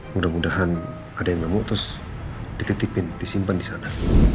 mudah mudahan ada yang nemu terus diketipin disimpan disana